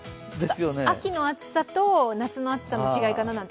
秋の暑さと夏の暑さの違いかななんて。